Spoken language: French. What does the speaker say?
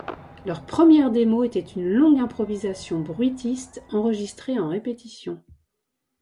Leur première démo était une longue improvisation bruitiste enregistrée en répétition.